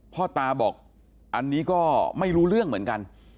พ่อตาบอกอันนี้ก็ไม่รู้เรื่องเหมือนกัน